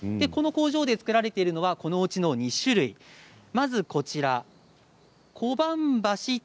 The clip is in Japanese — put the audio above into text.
この工場で作られているのはこのうちの２種類まず、こちらです。